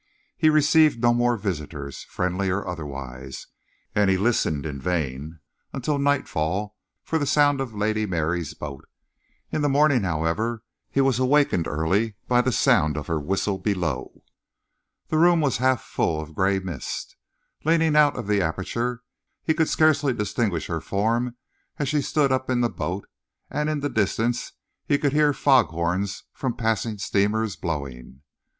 He received no more visitors, friendly or otherwise, and he listened in vain until nightfall for the sound of Lady Mary's boat. In the morning, however, he was awakened early by the sound of her whistle below. The room was half full of grey mist. Leaning out of the aperture, he could scarcely distinguish her form as she stood up in the boat, and in the distance he could hear foghorns from passing steamers blowing.